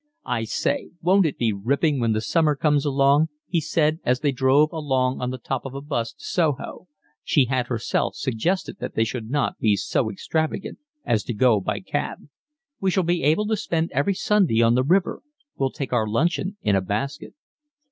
"I say, won't it be ripping when the summer comes along," he said, as they drove along on the top of a 'bus to Soho—she had herself suggested that they should not be so extravagant as to go by cab. "We shall be able to spend every Sunday on the river. We'll take our luncheon in a basket."